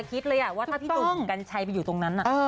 จะคิดเลยว่าถ้าที่ลุมกัญชัยไปอยู่ตรงนั้นน่ะ